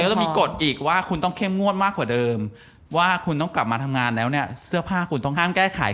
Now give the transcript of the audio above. จะมีกฎอีกว่าคุณต้องเข้มงวดมากกว่าเดิมว่าคุณต้องกลับมาทำงานแล้วเนี่ยเสื้อผ้าคุณต้องห้ามแก้ไข